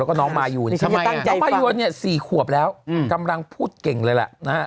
แล้วก็น้องมายูนแน่นมาร์โยนตั้ง๔ขวบแล้วกำลังพูดเก่งเลยละนะฮะ